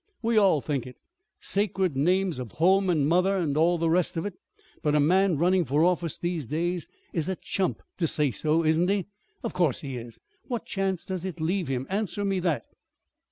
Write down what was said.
_ We all think it sacred names of home and mother and all the rest of it; but a man running for office these days is a chump to say so, isn't he? Of course he is! What chance does it leave him? Answer me that."